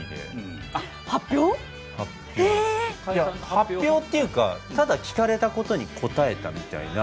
発表っていうかただ聞かれたことに答えたみたいな。